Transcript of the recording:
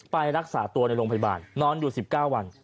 ไปรักษาตัวในโรงพยาบาลนอนอยู่๑๙วัน